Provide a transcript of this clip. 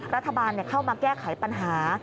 รัฐบาลเข้ามาแก้ไขปัญหา